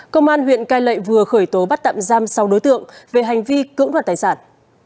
công an huyện cai lệ vừa khởi tố bắt tạm giam sáu đối tượng về hành vi cưỡng đoạt tài sản